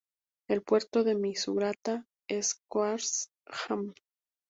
El puerto de Misurata es Qasr Ahmed.